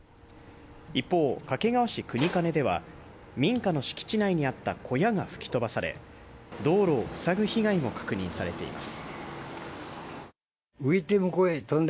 一方、掛川市国包では、民間の敷地内にあった小屋が吹き飛ばされ、道路をふさぐ被害も確認されています。